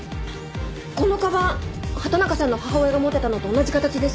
このカバン畑中さんの母親が持ってたのと同じ形です。